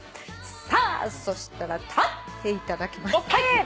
さあそしたら立っていただきます。